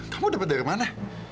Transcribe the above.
kamu dapet dari mana